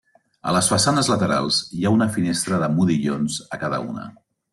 A les façanes laterals hi ha una finestra de modillons a cada una.